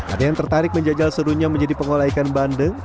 ada yang tertarik menjajal serunya menjadi pengolah ikan bandeng